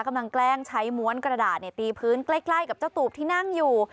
แกล้งใช้ม้วนกระดาษตีพื้นใกล้กับเจ้าตูบที่นั่งอยู่